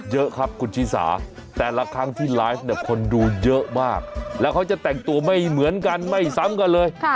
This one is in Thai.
เยอะครับคุณชิสาแต่ละครั้งที่ไลฟ์เนี่ยคนดูเยอะมากแล้วเขาจะแต่งตัวไม่เหมือนกันไม่ซ้ำกันเลย